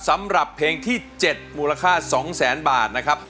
สำหรับเพลงที่๗มูลค่า๒แสนบาทนะครับ